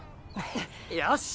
よし！